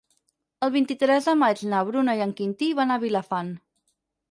El vint-i-tres de maig na Bruna i en Quintí van a Vilafant.